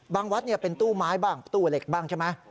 วัดเป็นตู้ไม้บ้างตู้เหล็กบ้างใช่ไหม